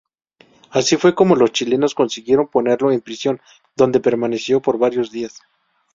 Así fue como los chilenos consiguieron ponerlo en prisión, donde permaneció por varios días.